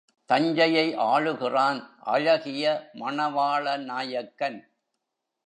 தஞ்சையை ஆளுகிறான் அழகிய மணவாள நாயக்கன்.